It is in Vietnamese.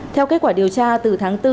theo kết quả điều tra từ tháng bốn